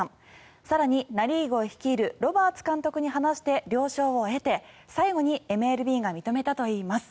更にナ・リーグを率いるロバーツ監督に話して了承を得て、最後にＭＬＢが認めたといいます。